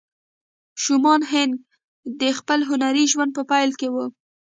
شومان هینک د خپل هنري ژوند په پیل کې وه